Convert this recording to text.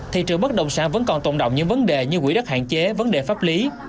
thị trường bất động sản vẫn còn tồn động những vấn đề như quỹ đất hạn chế vấn đề pháp lý